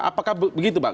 apakah begitu pak